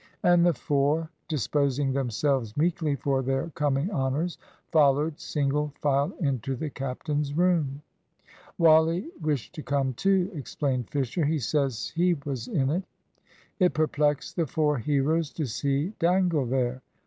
And the four, disposing themselves meekly for their coming honours, followed, single file, into the captain's room. "Wally wished to come too," explained Fisher. "He says he was in it." It perplexed the four heroes to see Dangle there.